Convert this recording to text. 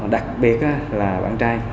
đặc biệt là bạn trai